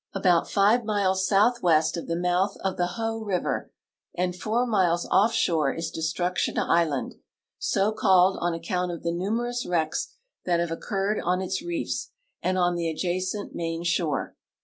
About five miles southwest of the mouth of the Hoh river and four miles offshore is Destruction island, so called on account of the numerous wrecks that have occurred on its reefs and on the adjacent main shore.